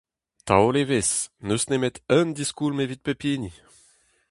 Taol evezh : n'eus nemet un diskoulm evit pep hini !